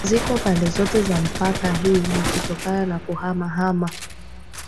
Ziko pande zote za mpaka hii ni kutokana na kuhama hama